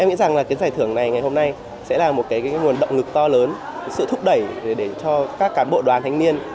tôi nghĩ rằng là cái giải thưởng này ngày hôm nay sẽ là một cái nguồn động lực to lớn sự thúc đẩy để cho các cán bộ đoàn thanh niên